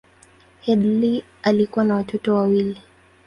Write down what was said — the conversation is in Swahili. Headlee alikuwa na watoto wawili.